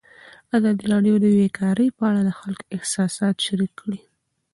ازادي راډیو د بیکاري په اړه د خلکو احساسات شریک کړي.